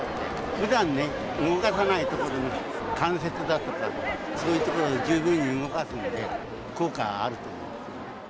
ふだんね、動かさない所の関節だとか、そういう所を十分に動かすのでね、効果があると思う。